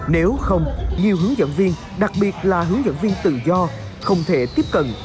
nếu không nhiều hướng dẫn viên đặc biệt là hướng dẫn viên tự do không thể tiếp cận